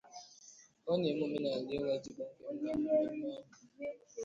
Ka ọ na-eme omenala ịwa ji kpọnkwem na mmemme ahụ